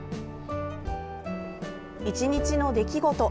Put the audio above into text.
一日の出来事。